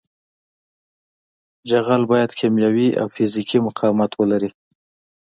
جغل باید کیمیاوي او فزیکي مقاومت ولري